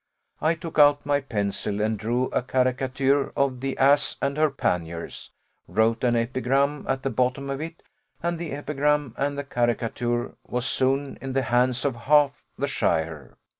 I took out my pencil, and drew a caricature of the ass and her panniers; wrote an epigram at the bottom of it; and the epigram and the caricature were soon in the hands of half shire.